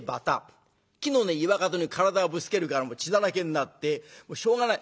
木の根岩角に体をぶつけるから血だらけになってしょうがない。